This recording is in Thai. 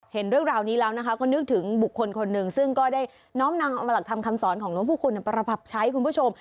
เห็นเรื่องราวนี้แล้วนะคะก็นึกถึงบุคคลคนหนึ่งซึ่งก็ได้น้อมนำหลักธรรมคำสอนของหลวงผู้คุณประดับใช้คุณผู้ชม